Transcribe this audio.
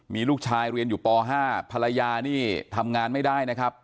มีลูกชายเรียนอยู่ป๕ภรรยานี่ทำงานไม่ได้นะครับ